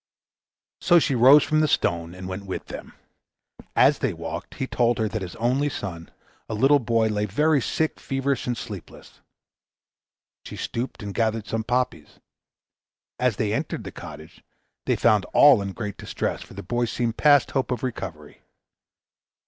So she rose from the stone and went with them. As they walked he told her that his only son, a little boy, lay very sick, feverish, and sleepless. She stooped and gathered some poppies. As they entered the cottage, they found all in great distress, for the boy seemed past hope of recovery.